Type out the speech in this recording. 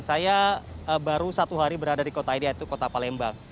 saya baru satu hari berada di kota ini yaitu kota palembang